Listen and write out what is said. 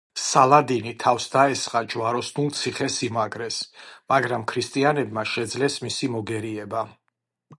სალადინი თავს დაესხა ჯვაროსნულ ციხე-სიმაგრეს, მაგრამ ქრისტიანებმა შეძლეს მისი მოგერიება.